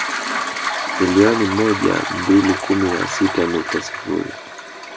Milioni moja mbili kumi na sita nukta sifuri